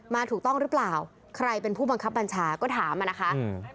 ถูกต้องหรือเปล่าใครเป็นผู้บังคับบัญชาก็ถามอ่ะนะคะอืม